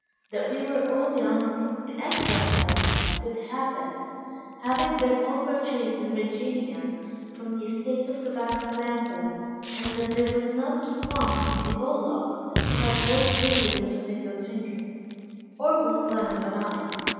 That we were all young, in excellent health, of good habits, having been all purchased in Virginia, from the estates of tobacco planters; and that there was not one in the whole lot who had lost the use of a single finger, or was blind of an eye.